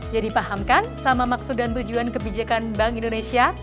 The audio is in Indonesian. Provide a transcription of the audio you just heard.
jadi paham kan sama maksud dan tujuan kebijakan bank indonesia